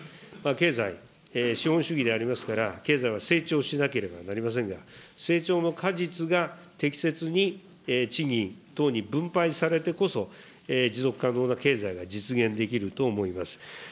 経済、資本主義でありますから、経済は成長しなければなりませんが、成長の果実が適切に賃金等に分配されてこそ、持続可能な経済が実現できると思います。